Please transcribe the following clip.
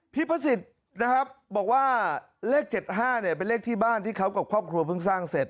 พระสิทธิ์นะครับบอกว่าเลข๗๕เนี่ยเป็นเลขที่บ้านที่เขากับครอบครัวเพิ่งสร้างเสร็จ